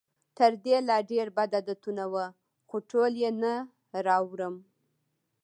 تر دې لا ډېر بد عادتونه وو، خو ټول یې نه راوړم.